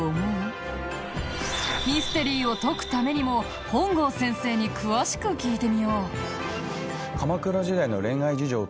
ミステリーを解くためにも本郷先生に詳しく聞いてみよう。